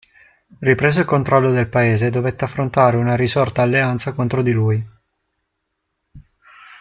Ripreso il controllo del paese, dovette affrontare una risorta alleanza contro di lui.